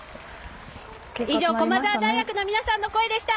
以上、駒澤大学の皆さんの声でした。